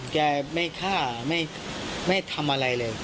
จะไม่ฆ่าไม่ทำอะไรเลย